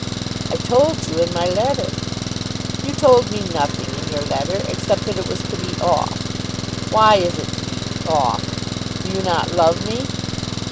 "I told you in my letter." "You told me nothing in your letter, except that it was to be off. Why is it to be off? Do you not love me?"